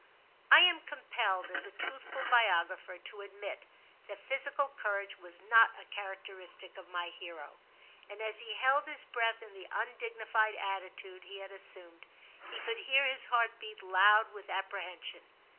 I am compelled as a truthful biographer 134 TIM CHAP. to admit that physical courage was not a characteristic of my hero, and as he held his breath in the undignified attitude he had assumed, he could hear his heart beat loud with apprehension.